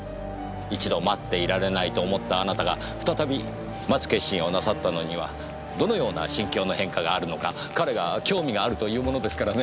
一度待っていられないと思ったあなたが再び待つ決心をなさったのにはどのような心境の変化があるのか彼が興味があると言うものですからね。